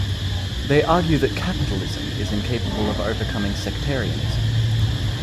They argue that capitalism is incapable of overcoming sectarianism.